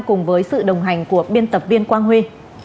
cùng với sự đồng hành của biên tập viên quang huy